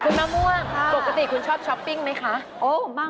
คุณมะม่วงปกติคุณชอบช้อปปิ้งไหมคะ